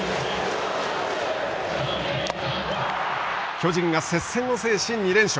巨人が接戦を制し２連勝。